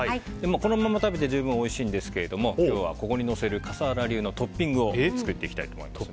このまま食べて十分おいしいんですが今日は、ここにのせる笠原流のトッピングを作っていきたいと思います。